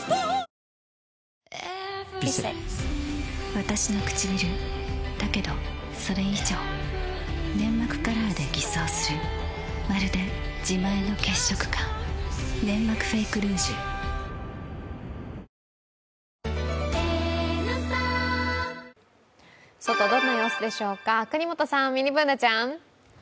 わたしのくちびるだけどそれ以上粘膜カラーで偽装するまるで自前の血色感「ネンマクフェイクルージュ」外、どんな様子でしょうか、國本さん、ミニＢｏｏｎａちゃん。